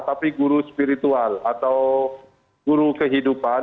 tapi guru spiritual atau guru kehidupan